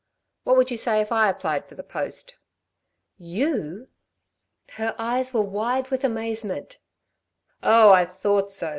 "What would you say if I applied for the post?" "You!" Her eyes were wide with amazement. "Oh I thought so!"